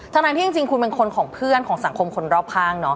ทั้งที่จริงคุณเป็นคนของเพื่อนของสังคมคนรอบข้างเนาะ